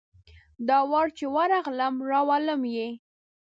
دا وار چي ورغلم ، راولم یې .